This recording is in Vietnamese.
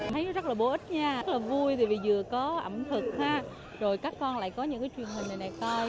thấy rất là bổ ích nha rất là vui vì vừa có ẩm thực rồi các con lại có những cái truyền hình này này con